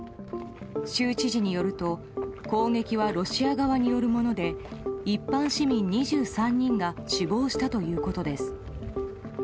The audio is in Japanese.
州知事によると攻撃はロシア側によるもので一般市民２３人が死亡したということです。